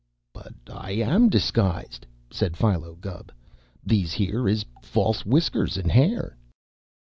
"But I am disguised," said Philo Gubb. "These here is false whiskers and hair."